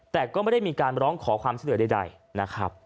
แต่ก็ไม่ได้มีการร้องขอความช่วยเหลือใดนะครับ